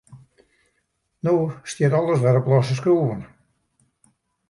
No stiet alles wer op losse skroeven.